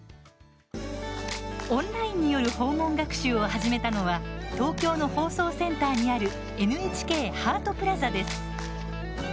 オンラインによる訪問学習を始めたのは東京の放送センターにあるＮＨＫハートプラザです。